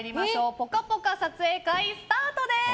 ぽかぽか撮影会スタートです。